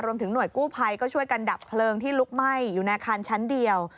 รวมถึงหน่วยกู้ไภก็ช่วยกันดับเพลิงที่ลุกไหม้อยู่ในคันชั้นเดียว